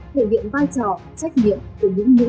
thể hiện vai trò trách nhiệm của những nữ